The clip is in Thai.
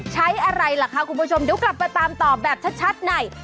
ใช้อะไรล่ะคะคุณผู้ชมเดี๋ยวกลับมาตามต่อแบบชัดใน